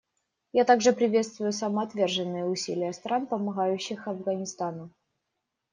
Я также приветствую самоотверженные усилия стран, помогающих Афганистану.